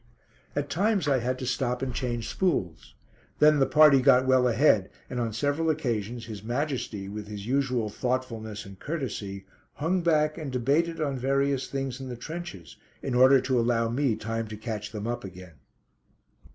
At times I had to stop and change spools. Then the party got well ahead, and on several occasions His Majesty, with his usual thoughtfulness and courtesy, hung back and debated on various things in the trenches, in order to allow me time to catch them up again.